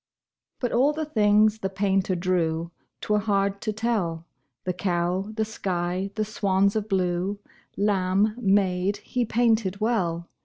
But all the things the painter drew 'Twere hard to tell The cow, the sky, the swans of blue, Lamb, maid, he painted well.